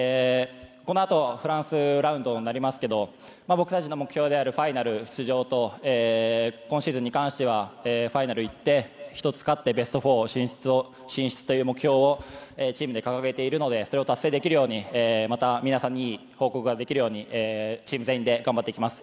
このあとフランスラウンドになりますけど僕たちの目標であるファイナル出場と今シーズンに関してはファイナルいって一つ勝って、ベスト４進出という目標をチームで掲げているのでそれを達成できるようにまた皆さんにいい報告ができるようにチーム全員で頑張っていきます。